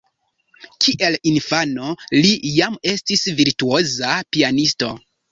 Kiel infano, li jam estis virtuoza pianisto.